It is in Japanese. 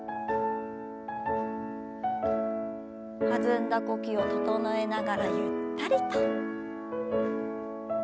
弾んだ呼吸を整えながらゆったりと。